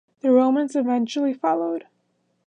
The Romans eventually followed.